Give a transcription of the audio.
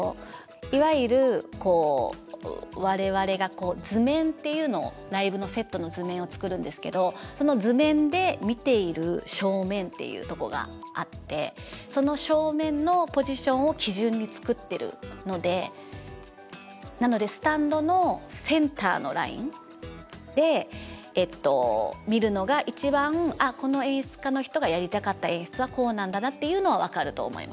いわゆる我々が図面っていうのをライブのセットの図面を作るんですけどその図面で見ている正面っていうとこがあってその正面のポジションを基準に作ってるのでなのでで見るのが一番この演出家の人がやりたかった演出はこうなんだなっていうのは分かると思います。